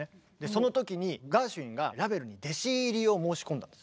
その時にガーシュウィンがラヴェルに弟子入りを申し込んだんです。